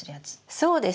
そうです。